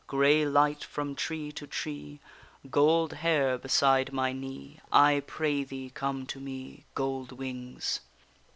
Grey light from tree to tree, Gold hair beside my knee, I pray thee come to me, Gold wings!